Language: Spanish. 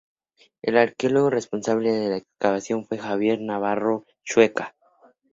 El arqueólogo responsable de la excavación fue Javier Navarro Chueca.